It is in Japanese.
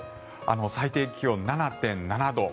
最低気温、７．７度。